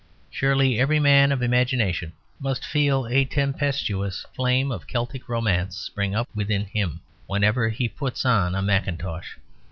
Surely every man of imagination must feel a tempestuous flame of Celtic romance spring up within him whenever he puts on a mackintosh.